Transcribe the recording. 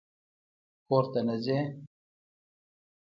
_کور ته نه ځې؟